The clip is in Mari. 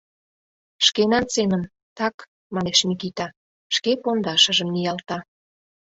— Шкенан семын... так... — манеш Микита, шке пондашыжым ниялта.